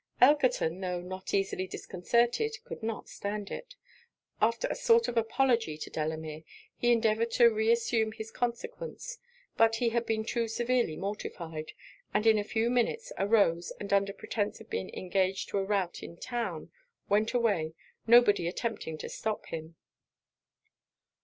Elkerton, tho' not easily disconcerted, could not stand it. After a sort of apology to Delamere, he endeavoured to reassume his consequence. But he had been too severely mortified; and in a few minutes arose, and under pretence of being engaged to a rout in town, went away, nobody attempting to stop him.